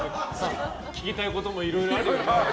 聞きたいこともいろいろある。